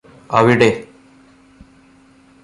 അവിടെ